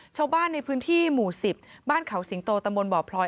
ชาวบ้านในพื้นที่หมู่๑๐บ้านเขาสิงโตตำบลบ่อพลอย